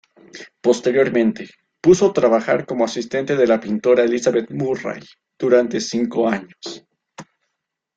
Posteriormente, puso trabajar como asistente de la pintora Elizabeth Murray durante cinco años.